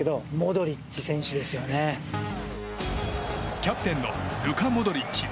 キャプテンのルカ・モドリッチ。